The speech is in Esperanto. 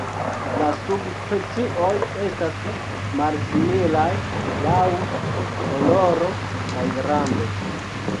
La subspecioj estas malsimilaj laŭ koloro kaj grando.